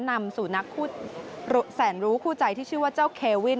นำสู่นักแสนรู้คู่ใจที่ชื่อว่าเจ้าเควิน